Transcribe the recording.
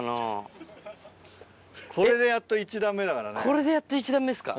これでやっと１段目っすか。